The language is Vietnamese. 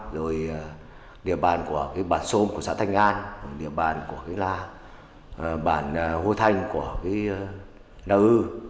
rồi địa bàn của bản xôn của xã thanh an địa bàn của bản hô thanh của đà ư